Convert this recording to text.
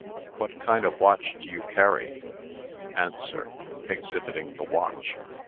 "What kind o' watch do you carry?" ANSWER (exhibiting the watch).